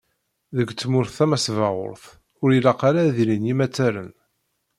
Deg tmurt tamesbaɣurt, ur ilaq ara ad ilin yimattaren.